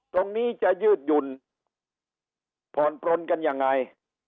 ตรงนี้จะยืดยุ่นควรปรนกันยังไง